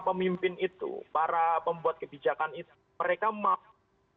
pemimpin itu para pembuat kebijakan itu mereka mau